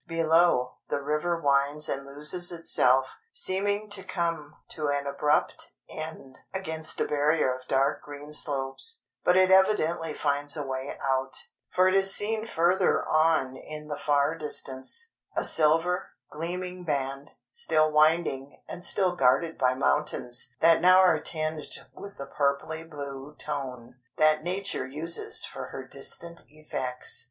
Below, the river winds and loses itself, seeming to come to an abrupt end against a barrier of dark green slopes; but it evidently finds a way out, for it is seen further on in the far distance, a silver, gleaming band, still winding, and still guarded by mountains that now are tinged with the purply blue tone that Nature uses for her distant effects.